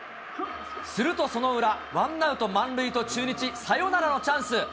するとその裏、ワンアウト満塁と、中日、サヨナラのチャンス。